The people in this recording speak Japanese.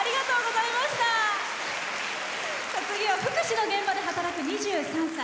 次は福祉の現場で働く２３歳。